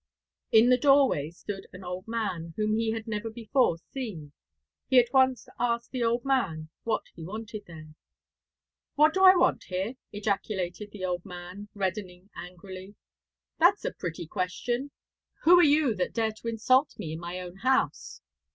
In the doorway stood an old man whom he had never before seen; he at once asked the old man what he wanted there. 'What do I want here?' ejaculated the old man, reddening angrily; 'that's a pretty question! Who are you that dare to insult me in my own house?'